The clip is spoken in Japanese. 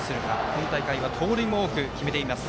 今大会は盗塁も多く決めています。